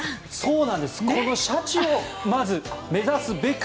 このシャチをまず目指すべく